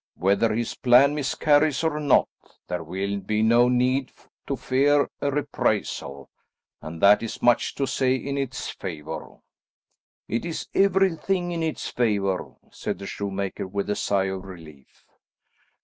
Whether his plan miscarries or not, there will be no need to fear a reprisal, and that is much to say in its favour." "It is everything in its favour," said the shoemaker with a sigh of relief.